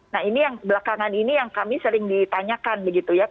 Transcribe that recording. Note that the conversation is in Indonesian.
nah ini yang belakangan ini yang kami sering ditanyakan begitu ya